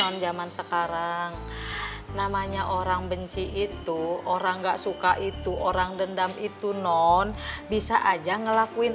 non zaman sekarang namanya orang benci itu orang nggak suka itu orang dendam itu non bisa aja ngelakuin